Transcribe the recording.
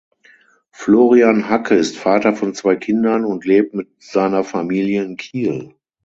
Florian Hacke ist Vater von zwei Kindern und lebt mit seiner Familie in Kiel.